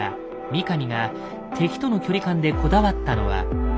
三上が敵との距離感でこだわったのは。